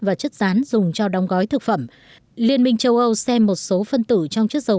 và chất rán dùng cho đóng gói thực phẩm liên minh châu âu xem một số phân tử trong chất dầu